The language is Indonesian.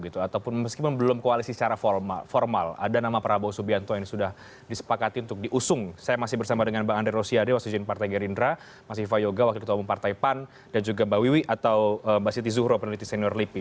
terima kasih juga mbak wiwi atau mbak siti zuhro peneliti senior lipi